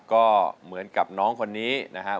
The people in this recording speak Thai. ก็เหมือนกับน้องคนนี้นะครับ